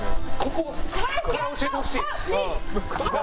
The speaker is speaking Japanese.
ここ教えてほしい。